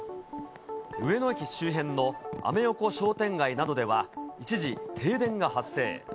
上野駅周辺のアメ横商店街などでは、一時、停電が発生。